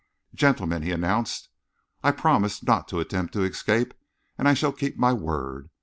"Gentlemen," he announced, "I promised not to attempt to escape and I shall keep my word.